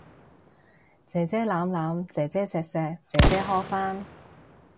姐姐攬攬，姐姐錫錫，姐姐呵返